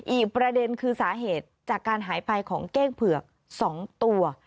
อีกประเด็นคือสาเหตุจากการหายไปของเก้งเผือก๒ตัว